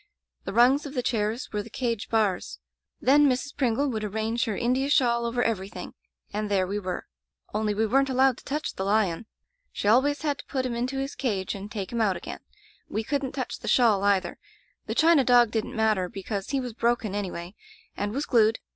The rungs of tfie chairs were the cage bars. Then Mrs. Pringle would arrange her India shawl over everything, and there we were. Only we weren't allowed to touch the lion. She always had to put him into his cage and take him out again. We couldn't touch the shawl, either. The china dog didn't matter, because he was broken, anyway, and was glued.